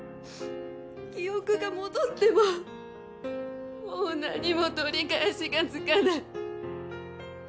記憶が戻ってももう何も取り返しがつかない。